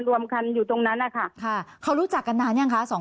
รวมกันอยู่ตรงนั้นนะคะเขารู้จักกันนานยังคะ